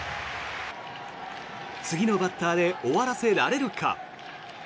次のバッターで終わらせられるか。